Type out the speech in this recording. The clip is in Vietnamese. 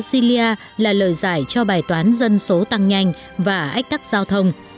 australia là lời giải cho bài toán dân số tăng nhanh và ách tắc giao thông